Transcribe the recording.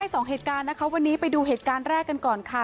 สองเหตุการณ์นะคะวันนี้ไปดูเหตุการณ์แรกกันก่อนค่ะ